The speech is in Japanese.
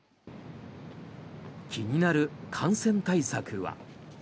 気になる感染対策は。